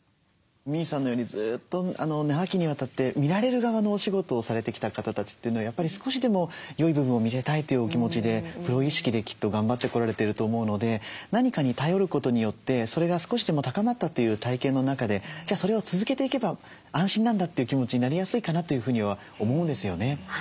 未唯さんのようにずっと長きにわたって見られる側のお仕事をされてきた方たちというのはやっぱり少しでも良い部分を見せたいというお気持ちでプロ意識できっと頑張ってこられていると思うので何かに頼ることによってそれが少しでも高まったという体験の中でじゃあそれを続けていけば安心なんだという気持ちになりやすいかなというふうには思うんですよね。